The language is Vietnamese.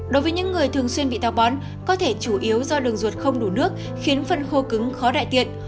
đối với những người thường xuyên bị tàu bón có thể chủ yếu do đường ruột không đủ nước khiến phân khô cứng khó đại tiện